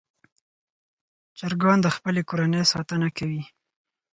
چرګان د خپلې کورنۍ ساتنه کوي.